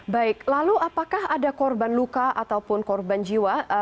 baik lalu apakah ada korban luka ataupun korban jiwa